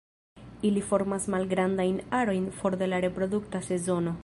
Ili formas malgrandajn arojn for de la reprodukta sezono.